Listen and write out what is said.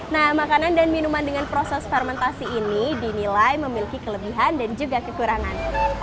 nah makanan dan minuman dengan proses fermentasi ini dinilai memiliki kelebihan dan juga kekurangan